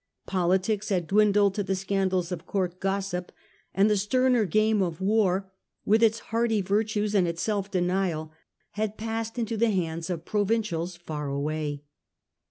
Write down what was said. Politics had dwindled to the scan dals of court gossip, and the sterner game of war, with its hardy virtues and its self denial, had passed into the hands of provincials far away.